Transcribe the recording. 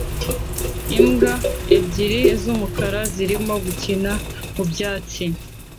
Imbwa ebyiri z'umukara zirimo gukina mu byatsi